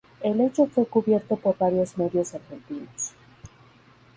El hecho fue cubierto por varios medios argentinos.